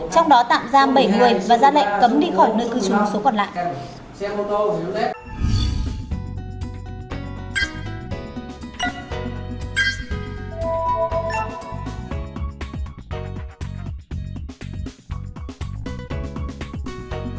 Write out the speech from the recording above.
trong đó tạm giam bảy người và ra lệnh cấm đi khỏi nơi cư trú số còn lại